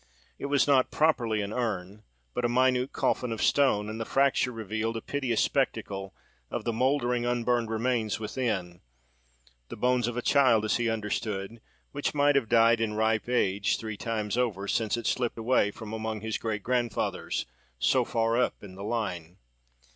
It was not properly an urn, but a minute coffin of stone, and the fracture had revealed a piteous spectacle of the mouldering, unburned remains within; the bones of a child, as he understood, which might have died, in ripe age, three times over, since it slipped away from among his great grandfathers, so far up in the line.